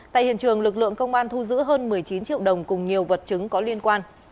tại hiện trường lực lượng công an thu giữ hơn một mươi chín triệu đồng cùng nhiều vật chứng có liên quan